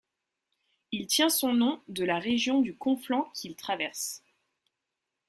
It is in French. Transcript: Il tient son nom de la région du Conflent qu'il traverse.